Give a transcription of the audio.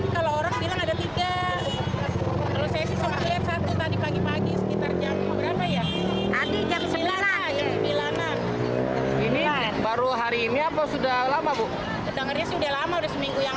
keluar ini doang moncongnya doang